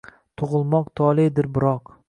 tugʼilmoq toledir, biroq